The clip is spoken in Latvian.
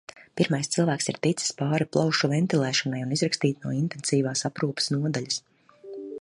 Pirmais cilvēks ir ticis pāri plaušu ventilēšanai un izrakstīts no intensīvās aprūpes nodaļas.